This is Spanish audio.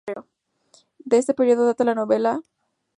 De este periodo data la novela "Gargantúa y Pantagruel" de Rabelais.